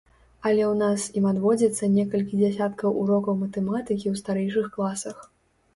Але ў нас ім адводзіцца некалькі дзясяткаў урокаў матэматыкі ў старэйшых класах.